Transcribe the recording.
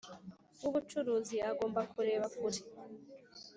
w’ubucuruzi agomba kureba kure